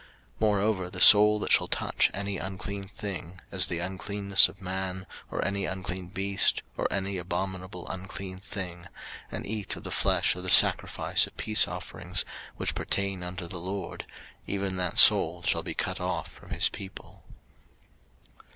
03:007:021 Moreover the soul that shall touch any unclean thing, as the uncleanness of man, or any unclean beast, or any abominable unclean thing, and eat of the flesh of the sacrifice of peace offerings, which pertain unto the LORD, even that soul shall be cut off from his people.